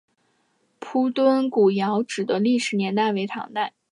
铺墩古窑址的历史年代为唐代。